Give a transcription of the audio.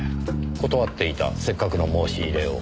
断っていたせっかくの申し入れを。